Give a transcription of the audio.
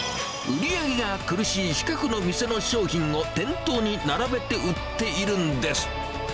売り上げが苦しい近くの店の商品を店頭に並べて売っているんです。